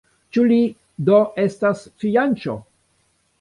Ĉu li do estas fianĉo?